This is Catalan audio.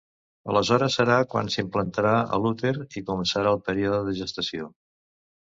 Aleshores serà quan s'implantarà a l'úter i començarà el període de gestació.